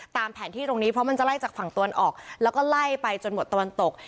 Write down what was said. ตามแผนที่ตรงนี้เพราะมันจะไล่จากฝั่งตะวันออกแล้วก็ไล่ไปจนหมดตะวันตก